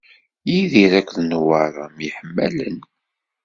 Yidir akked Newwara myeḥmalen.